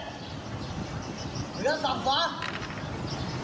เหลือสัมภาษณ์